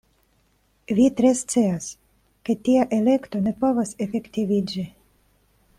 Vi tre scias, ke tia elekto ne povas efektiviĝi.